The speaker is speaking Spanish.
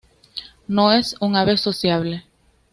No es un ave sociable.